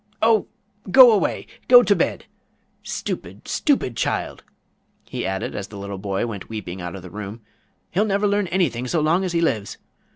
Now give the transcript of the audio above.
Oh, go away! Go to bed! Stupid, stupid child," he added as the little boy went weeping out of the room, "he'll never learn anything so long as he lives.